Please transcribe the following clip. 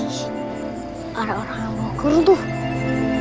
ada orang yang bawa kerutuh